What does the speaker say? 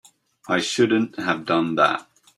I shouldn't have done that.